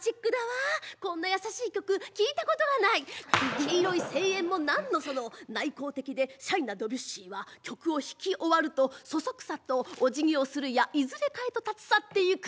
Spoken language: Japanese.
黄色い声援もなんのその内向的でシャイなドビュッシーは曲を弾き終わるとそそくさとおじぎをするやいずれかへと立ち去っていく。